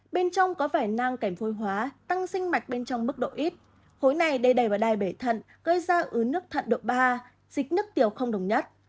bên trong có vải năng cảnh phôi hóa tăng sinh mạch bên trong mức độ ít khối này đầy đầy vào đai bể thận gây ra ứ nước thận độ ba dịch nước tiểu không đồng nhất